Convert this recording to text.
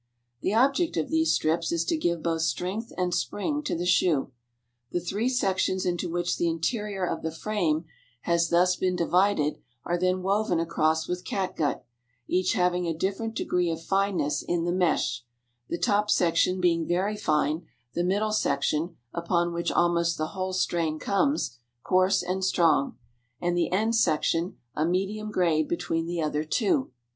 The object of these strips is to give both strength and spring to the shoe. The three sections into which the interior of the frame has thus been divided are then woven across with catgut, each having a different degree of fineness in the mesh, the top section being very fine, the middle section, upon which almost the whole strain comes, coarse and strong, and the end section a medium grade between the other two.